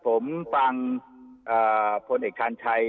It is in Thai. ผมการฟังภวมเอกชานชาย